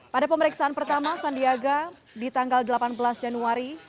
pada pemeriksaan pertama sandiaga di tanggal delapan belas januari